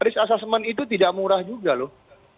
risk assessment itu tidak murah juga loh